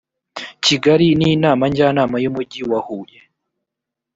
kigali n inama njyanama y umujyi w huye